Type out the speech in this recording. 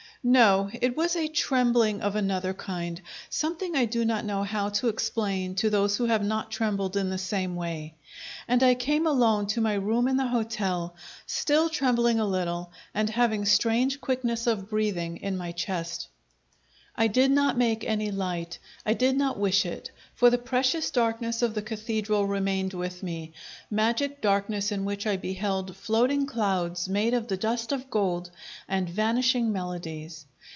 No, it was a trembling of another kind something I do not know how to explain to those who have not trembled in the same way; and I came alone to my room in the hotel, still trembling a little and having strange quickness of breathing in my chest. I did not make any light; I did not wish it, for the precious darkness of the Cathedral remained with me magic darkness in which I beheld floating clouds made of the dust of gold and vanishing melodies.